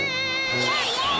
イエイイエイ！